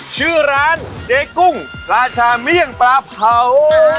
ชื่อร้านเดกุ้งราชาเมี่ยงปลาเผา